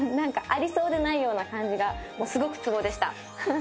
ありそうでないような感じがすごくツボでした。